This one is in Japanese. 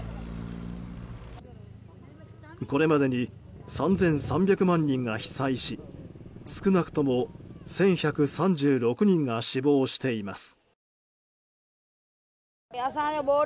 これまでに３３００万人が被災し少なくとも１１３６人が死亡しています。